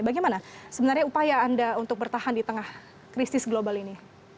bagaimana sebenarnya upaya anda untuk bertahan di tengah krisis global ini